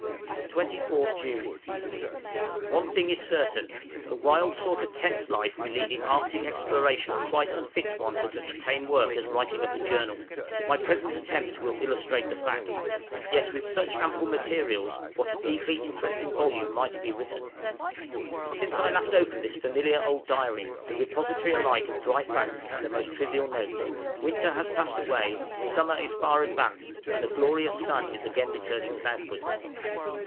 24th June. One thing is certain, the wild sort of tent life we lead in Arctic exploration quite unfits one for such tame work as writing up a journal; my present attempt will illustrate the fact, yet with such ample materials what a deeply interesting volume might be written! Since I last opened this familiar old diary the repository alike of dry facts and the most trivial notes winter has passed away, summer is far advanced, and the glorious sun is again returning southward.